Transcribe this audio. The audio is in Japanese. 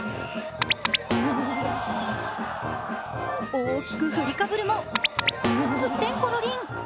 大きく振りかぶるも、すってんころりん。